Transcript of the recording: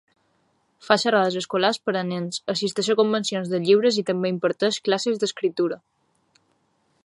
Fa xerrades escolars per a nens, assisteix a convencions de llibres i també imparteix classes d'escriptura.